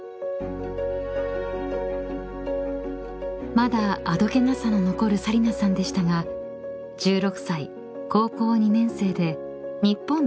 ［まだあどけなさの残る紗理那さんでしたが１６歳高校２年生で日本代表入り］